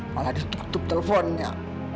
malah ditutup tutup teleponnya